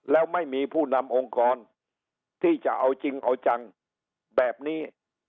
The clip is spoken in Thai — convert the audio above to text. แล้วไม่มีผู้นำองค์กรที่จะเอาจริงเอาจังแบบนี้